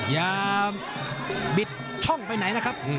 อย่าบิดช่องไปไหนนะครับ